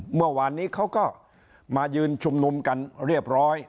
เมื่อวานนี้เขาก็มายืนชุมนุมกันเรียบร้อย